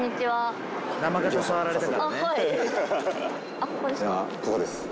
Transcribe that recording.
あっここですか？